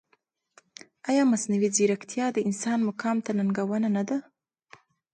ایا مصنوعي ځیرکتیا د انسان مقام ته ننګونه نه ده؟